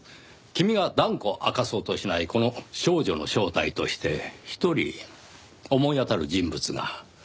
君が断固明かそうとしないこの少女の正体として一人思い当たる人物が。